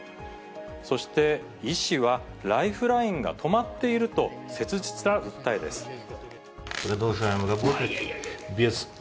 そして、医師は、ライフラインが止まっていると切実な訴えです。